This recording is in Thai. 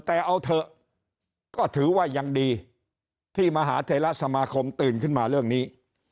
แต่เอาเถอะก็ถือว่ายังดีที่มหาเทราสมาคมตื่นขึ้นมาเรื่องนี้